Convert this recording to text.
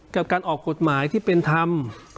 กับการออกกฎหมายที่เป็นธรรม